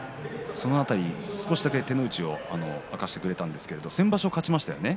その辺り少しだけ手の内を明かしてくれたんですが先場所は勝ちましたよね。